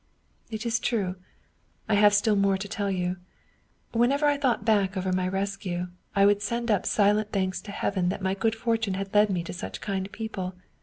"" It is true, I have still more to tell you. Whenever I thought back over my rescue, I would send up silent thanks to Heaven that my good fortune had led me to such kind people.